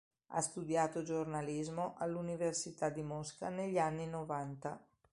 Ha studiato giornalismo all'Università di Mosca negli anni novanta.